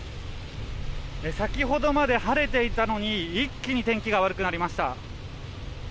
先ほどまで晴れていたのに一気に天気が悪くなりました。